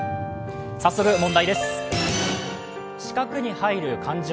早速問題です。